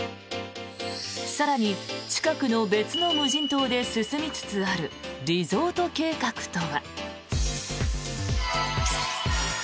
更に近くの別の無人島で進みつつあるリゾート計画とは。